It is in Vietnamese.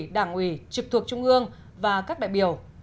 đảng ủy trực thuộc trung ương và các đại biểu